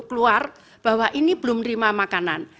keluar bahwa ini belum terima makanan